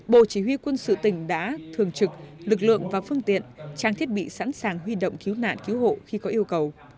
bộ chỉ huy quân sự tỉnh đã thường trực lực lượng và phương tiện trang thiết bị sẵn sàng huy động cứu nạn cứu hộ khi có yêu cầu